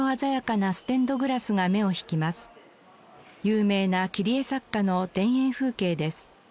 有名な切り絵作家の田園風景です。